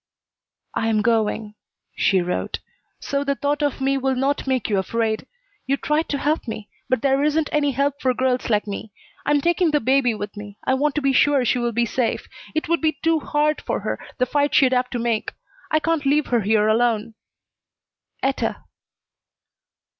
"I am going," she wrote, "so the thought of me will not make you afraid. You tried to help me, but there isn't any help for girls like me. I am taking the baby with me. I want to be sure she will be safe. It would be too hard for her, the fight she'd have to make. I can't leave her here alone. ETTA."